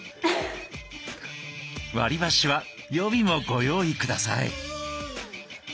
割りばしは予備もご用意ください。